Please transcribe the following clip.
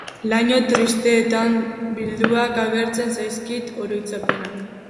Laino tristeetan bilduak agertzen zaizkidan oroitzapenak.